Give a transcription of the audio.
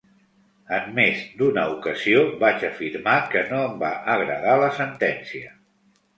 En més d’una ocasió vaig afirmar que no em va agradar la sentència.